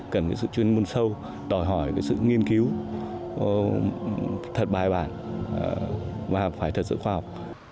cần sự chuyên ngôn sâu đòi hỏi sự nghiên cứu thật bài bản và phải thật sự khoa học